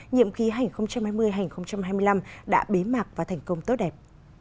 nhiệm ký hành hai mươi hai mươi năm đã bế mạc và thành công tốt đẹp